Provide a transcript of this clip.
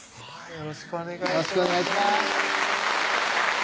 よろしくお願いします